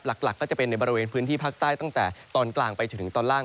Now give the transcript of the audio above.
หลักก็จะเป็นในบริเวณพื้นที่ภาคใต้ตั้งแต่ตอนกลางไปจนถึงตอนล่าง